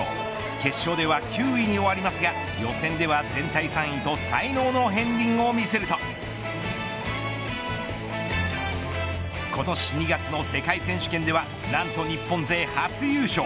決勝では９位に終わりますが予選では、全体３位と才能の片りんを見せると今年２月の世界選手権では何と日本勢、初優勝。